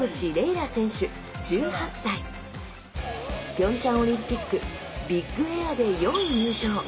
ピョンチャンオリンピックビッグエアで４位入賞。